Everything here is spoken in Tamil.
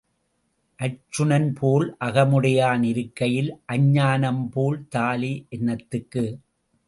அர்ச்சுனன்போல் அகமுடையான் இருக்கையில் அஞ்ஞானம்போல் தாலி என்னத்துக்கு?